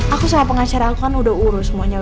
aku sama pengacara aku kan udah urus semuanya